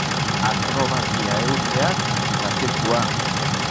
Akrobazia eusteak eta zirkua.